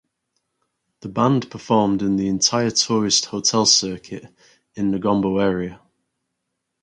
The band performed in the entire tourist hotel circuit in Negombo area.